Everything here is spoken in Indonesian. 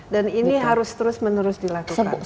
dan ini harus terus menerus dilakukan